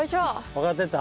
分かってきた？